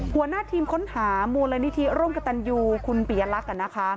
หัวหน้าทีมค้นหามูลนิธิร่วมกับตันยูคุณปียลักษณ์